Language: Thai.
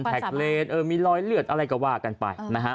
เทคเลนซ์เออมีรอยเลือดอะไรกระว่ากันไป